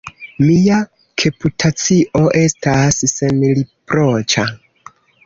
Mia reputacio estas senriproĉa!